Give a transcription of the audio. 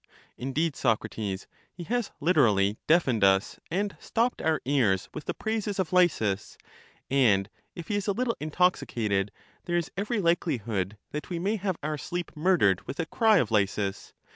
Indeed, Socrates, he has literally deafened us, and stopped our ears with the praises of Lysis; and if he is a little intoxicated, there is every likelihood that we may have our sleep murdered with a cry of Lysis.